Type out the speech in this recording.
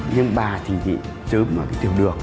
nhưng bà thì chứ không được